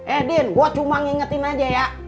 eh din gua cuma ngingetin aja ya